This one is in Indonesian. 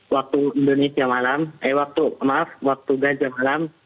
waktu indonesia malam eh maaf waktu gaza malam